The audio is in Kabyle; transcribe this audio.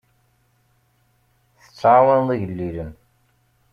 Tettɛawaneḍ igellilen.